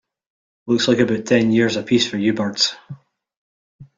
Looks like about ten years a piece for you birds.